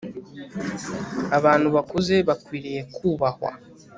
abantu bakuze bakwiriye kubahwa